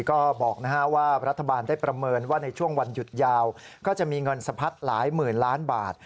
ก็บอกว่ารัฐบาลได้ประเมินว่าในช่วงวันหยุดยาวก็จะมีเงินสะพัดหลายหมื่นล้านบาท